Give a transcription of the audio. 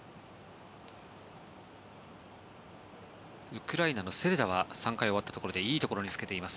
ウクライナのセレダは３回終わったところでいいところにつけています